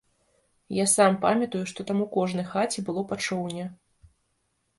Я сам памятаю, што там у кожнай хаце было па чоўне.